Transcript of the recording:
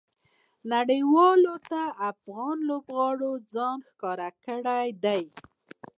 نړۍوالو ته افغان لوبغاړو ځان ښکاره کړى دئ.